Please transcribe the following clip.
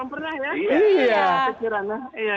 belum pernah ya